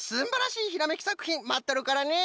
ひらめきさくひんまっとるからね。